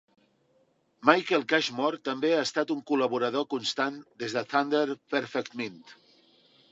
Michael Cashmore també ha estat un col·laborador constant des de Thunder Perfect Mind.